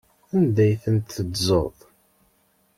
Anda ay ten-teddzeḍ?